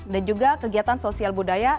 dan juga kegiatan sosial budaya